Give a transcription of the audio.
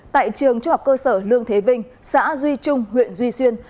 tại trường trung học cơ sở lương thế vinh xã duy trung huyện duy xuyên